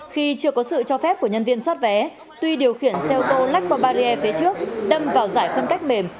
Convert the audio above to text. khi chưa có sự cho phép của nhân viên xoát vé tuy điều khiển xe ô tô lách qua barrier phía trước đâm vào giải phân cách mềm